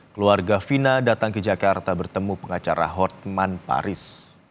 keluarga fina datang ke jakarta bertemu pengacara hotman paris